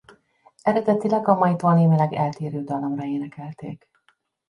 Eredetileg a maitól némileg eltérő dallamra énekelték.